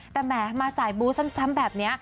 แต่แหมมาสายบูธซ้ำแบบนี้